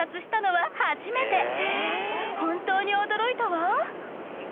本当に驚いたわ！